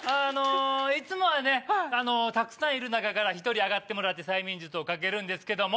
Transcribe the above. いつもはねたくさんいる中から１人上がってもらって催眠術をかけるんですけども。